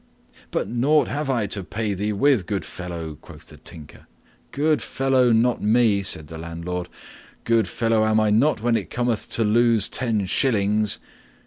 "But nought have I to pay thee with, good fellow," quoth the Tinker. "'Good fellow' not me," said the landlord. "Good fellow am I not when it cometh to lose ten shillings!